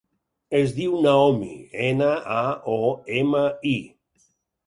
Es diu Naomi: ena, a, o, ema, i.